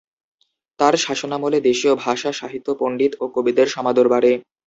তার শাসনামলে দেশীয় ভাষা, সাহিত্য, পণ্ডিত ও কবিদের সমাদর বাড়ে।